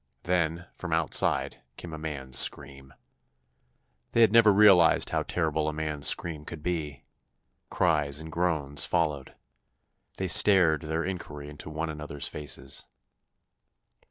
Then, from outside, came a man's scream. They had never realized how terrible a man's scream could be. Cries and groans followed. They stared their inquiry into one another's faces.